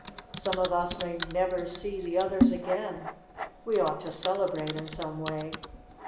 Some of us may never see the others again. We ought to celebrate in. some way."